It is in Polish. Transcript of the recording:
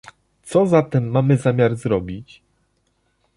Co zatem mamy zamiar zrobić?